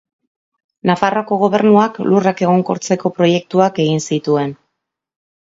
Nafarroako Gobernuak lurrak egonkortzeko proiektuak egin zituen.